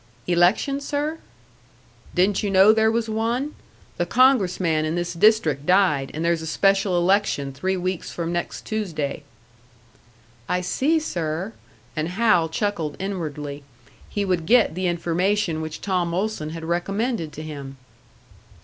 "Election, sir?" "Didn't you know there was one? The Congressman in this district died, and there's a special election three weeks from next Tuesday." "I see, sir." And Hal chuckled inwardly. He would get the information which Tom Olson had recommended to him!